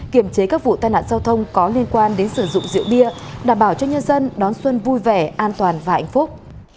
kiểm chế các vụ tai nạn giao thông có liên quan đến sử dụng rượu bia đảm bảo cho nhân dân đón xuân vui vẻ an toàn và hạnh phúc